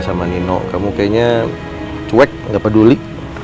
sama nino kamu kayaknya cuek gak peduli